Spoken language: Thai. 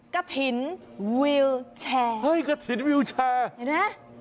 กระถิ่นวิวแชร์เฮ้ยกระถิ่นวิวแชร์เห็นไหม